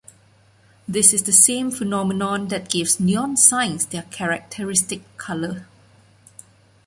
This is the same phenomenon that gives neon signs their characteristic color.